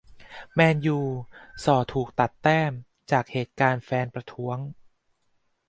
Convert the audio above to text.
แมนยู ส่อถูก ตัดแต้ม จากเหตุการณ์แฟนประท้วง